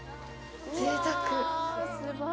ぜいたく。